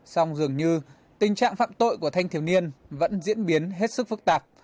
xong dường như tình trạng phạm tội của thanh thiếu niên vẫn diễn biến hết sức phức tạp